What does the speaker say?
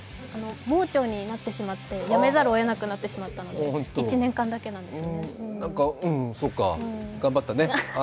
盲腸になってしまってやめざるをえなくなってしまって１年間だけなんですけどね。頑張ったね。